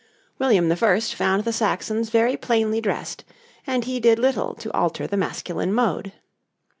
William I. found the Saxons very plainly dressed, and he did little to alter the masculine mode.